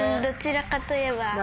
どちらかといえば。